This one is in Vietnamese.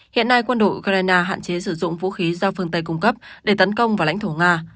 hiện nay quân đội ukraine hạn chế sử dụng vũ khí do phương tây cung cấp để tấn công vào lãnh thổ nga